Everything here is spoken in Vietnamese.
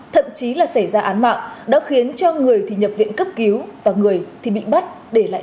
thậm chí là xảy ra án mạng đã khiến cho người thì nhập viện cấp cứu và người thì bị bắt để lại